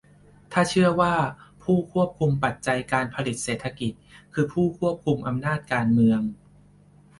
ถ้าเชื่อว่าผู้ควบคุมปัจจัยการผลิตเศรษฐกิจคือผู้ควบคุมอำนาจการเมือง